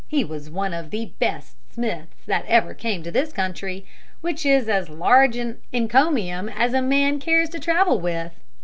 He was one of the best Smiths that ever came to this country, which is as large an encomium as a man cares to travel with.